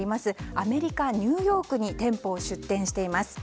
アメリカ・ニューヨークに店舗を出店しています。